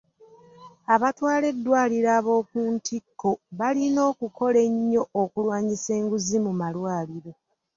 Abatwala eddwaliro ab'okuntikko balina okukola ennyo okulwanyisa enguzi mu malwaliro.